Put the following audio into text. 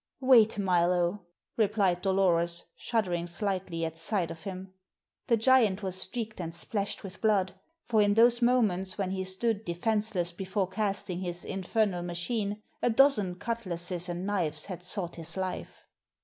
"Wait, Milo," replied Dolores, shuddering slightly at sight of him. The giant was streaked and splashed with blood; for in those moments when he stood defenseless before casting his infernal machine, a dozen cutlases and knives had sought his life.